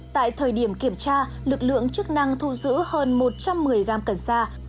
tại thời điểm kiểm tra lực lượng chức năng thu giữ hơn một trăm một mươi gam cần sa